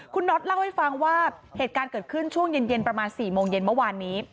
คุณน็อตเล่าให้ฟังว่าเหตุการณ์เกิดขึ้นช่วงเย็นประมาณ๔โมงเย็นเมื่อวานนี้